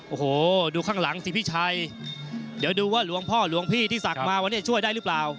โอ้โหดูข้างหลังสิพี่ชัยเดี๋ยวดูว่าหลวงพ่อหลวงพี่ที่ศักดิ์มาวันนี้ช่วยได้หรือเปล่า